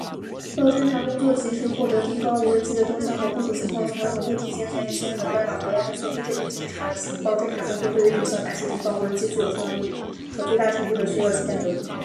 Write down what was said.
情报侦察：乌克兰军队通过加强情报侦察工作，及时获得敌方无人机的动向和部署情况，从而能够提前采取相应的干扰和压制措施。这种情报侦察工作对于有效打击敌方无人机具有重要意义，可以最大程度地削弱其战斗力。